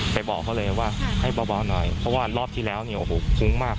บอกเขาเลยว่าให้เบาหน่อยเพราะว่ารอบที่แล้วเนี่ยโอ้โหฟุ้งมาก